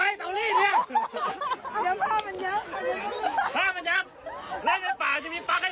โอ๊ยโอ๊ยมีใครให้แปลกกว่านี้อีกมั้ย